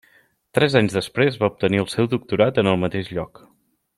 Tres anys després va obtenir el seu Doctorat en el mateix lloc.